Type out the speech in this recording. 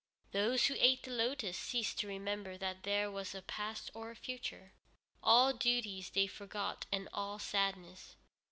Those who ate the lotus ceased to remember that there was a past or a future. All duties they forgot, and all sadness.